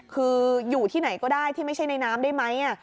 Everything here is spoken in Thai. คืออยู่ที่ไหนก็ได้ที่ไม่ใช่ในน้ำได้ไหม